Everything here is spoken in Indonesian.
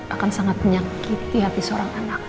akan sangat menyakiti hati seorang anak